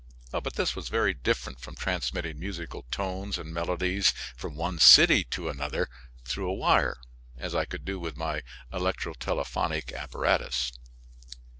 But this was very different from transmitting musical tones and melodies from one city to another through a wire, as I could do with my electrotelephonic apparatus.